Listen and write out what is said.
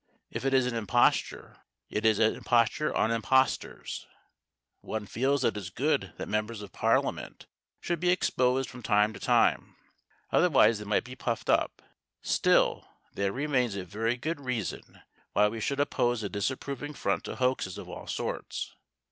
If it is an imposture, it is an imposture on impostors. One feels that it is good that members of Parliament should be exposed from time to time. Otherwise they might become puffed up. Still, there remains a very good reason why we should oppose a disapproving front to hoaxes of all sorts.